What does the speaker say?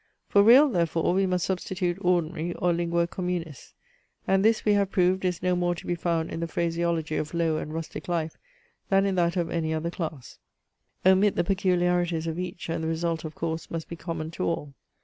For "real" therefore, we must substitute ordinary, or lingua communis. And this, we have proved, is no more to be found in the phraseology of low and rustic life than in that of any other class. Omit the peculiarities of each and the result of course must be common to all.